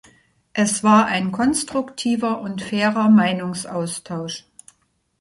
Es war ein konstruktiver und fairer Meinungsaustausch.